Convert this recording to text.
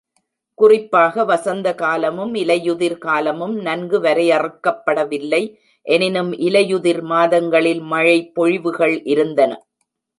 குறிப்பாக வசந்த காலமும் இலையுதிர் காலமும் நன்கு வரையறுக்கப்படவில்லை; எனினும் இலையுதிர் மாதங்களில் மழை பொழிவுகள் இருந்தன.